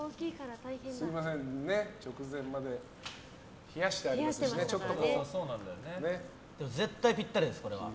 すみませんね、直前まで冷やしてありますし絶対ぴったりです、これは。